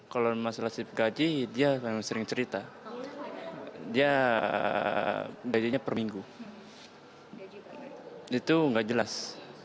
kalau masalah sip gaji dia memang sering cerita dia gajinya per minggu itu nggak jelas